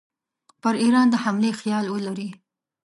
پر ایران د حملې خیال ولري.